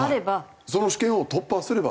その試験を突破すれば。